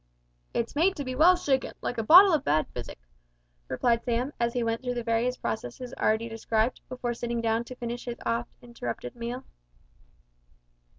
"It's made to be well shaken, like a bottle o' bad physic," replied Sam, as he went through the various processes already described, before sitting down to finish his oft interrupted meal.